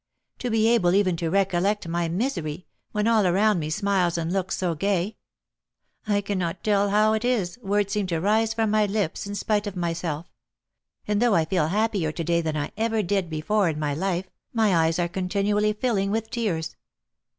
to be able even to recollect my misery, when all around me smiles and looks so gay! I cannot tell how it is, words seem to rise from my lips in spite of myself; and, though I feel happier to day than I ever did before in my life, my eyes are continually filling with tears!